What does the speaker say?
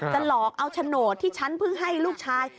หลอกเอาโฉนดที่ฉันเพิ่งให้ลูกชาย